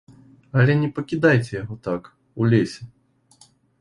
Але не пакідайце яго так, у лесе.